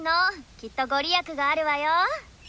きっと御利益があるわよ。